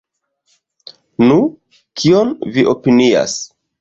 Nu, kion vi opinias?